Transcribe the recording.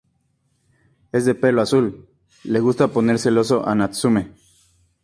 Es de pelo azul, Le gusta poner celoso a Natsume.